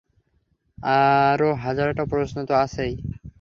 আরো হাজারটা প্রশ্ন তো আছেই।